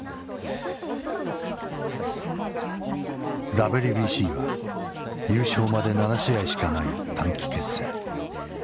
ＷＢＣは優勝まで７試合しかない短期決戦。